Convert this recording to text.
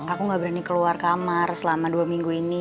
aku gak berani keluar kamar selama dua minggu ini